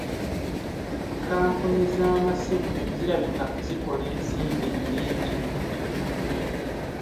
Kkampuni z'amasimu zirabika zikola ensimbi nnyingi.